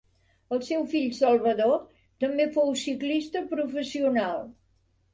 El seu fill Salvador, també fou ciclista professional.